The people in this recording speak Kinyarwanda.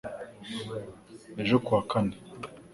Ejo ku wa kane